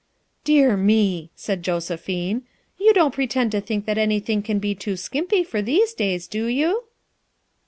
"Dear meT said Josephine, "you don't pretend to think that anything can be too skimpy for those days, do you!"